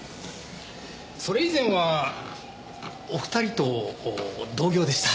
それ以前はお二人と同業でした。